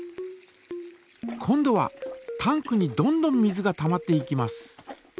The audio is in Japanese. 今度はタンクにどんどん水がたまっていきます。